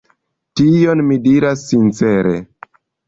Tion mi diras sincere.